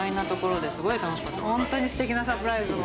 ホントにすてきなサプライズも。